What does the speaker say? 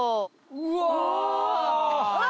うわ！